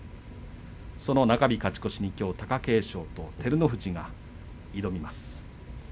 その中日勝ち越しに、きょう貴景勝と照ノ富士が挑みます。